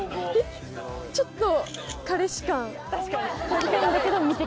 ちょっと。